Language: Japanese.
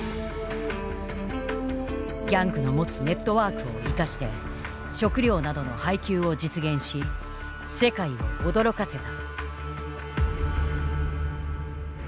ギャングの持つネットワークを生かして食糧などの配給を実現し世界を驚かせた。